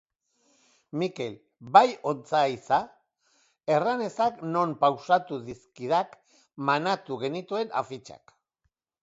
Mikel! Bai, ontsa haiza? Erran ezak, non pausatu dizkidak manatu genituen afitxak?